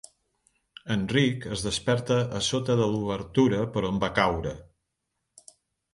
En Rick es desperta a sota de l'obertura per on va caure.